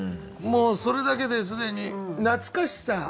もうそれだけで既に懐かしさ。